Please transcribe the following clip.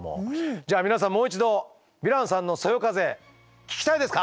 じゃあ皆さんもう一度ヴィランさんのそよ風聞きたいですか？